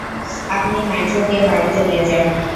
আপনি নাইট্রোকে বাড়িতে নিয়ে যান?